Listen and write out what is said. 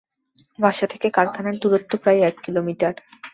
বাসা থেকে কারখানার দূরত্ব প্রায় এক কিলোমিটার।